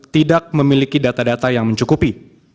tidak memiliki data data yang mencukupi